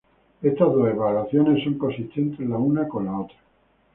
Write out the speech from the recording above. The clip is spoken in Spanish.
Estas dos evaluaciones son consistentes la una con la otra.